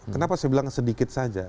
kenapa saya bilang sedikit saja